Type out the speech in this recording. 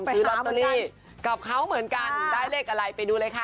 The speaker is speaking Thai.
ซื้อลอตเตอรี่กับเขาเหมือนกันได้เลขอะไรไปดูเลยค่ะ